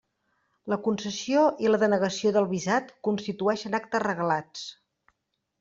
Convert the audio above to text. La concessió i la denegació del visat constitueixen actes reglats.